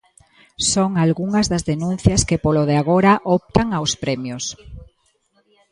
Son algunhas das denuncias que polo de agora optan aos premios.